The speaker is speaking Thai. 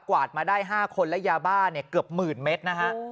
วาดมาได้๕คนและยาบ้าเนี่ยเกือบหมื่นเมตรนะฮะ